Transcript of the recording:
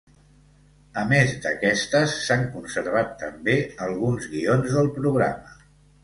A més d'aquestes, s'han conservat també alguns guions del programa.